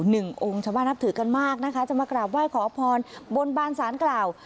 หนึ่งองค์ชาวบ้านนับถือกันมากนะคะจะมากราบไหว้ขอพรบนบานสารกล่าว